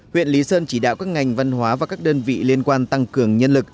huyện lý sơn chỉ đạo các ngành văn hóa và các đơn vị liên quan tăng cường nhân lực